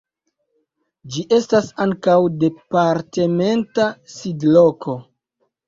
Ĝi estas ankaŭ departementa sidloko.